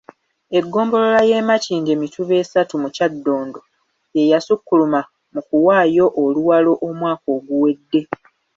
Eggombolola y’e Makindye Mituba esatu mu Kyaddondo y'eyasukkuluma mu kuwaayo oluwalo omwaka oguwedde.